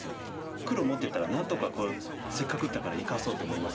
黒持ってたらなんとかせっかく打ったから生かそうと思いますよね。